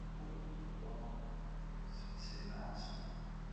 Mums vajag plānu, mums viss ir jāapsver!